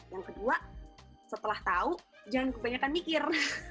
yang kedua setelah tahu jangan kebanyakan mikir